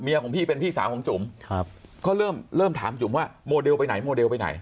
เมียของพี่เป็นพี่สาวของจุมเขาเริ่มถามจุมว่าโมเดลไปไหนโมเดลไปไหน